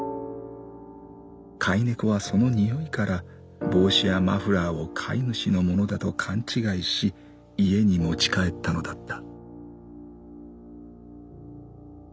飼い猫はその匂いから帽子やマフラーを飼い主のものだと勘違いし家に持ち帰ったのだった」。